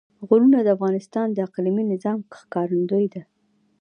غرونه د افغانستان د اقلیمي نظام ښکارندوی ده.